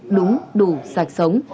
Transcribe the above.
đúng đủ sạch sống